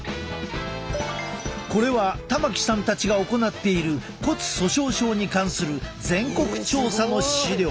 これは玉置さんたちが行っている骨粗しょう症に関する全国調査の資料。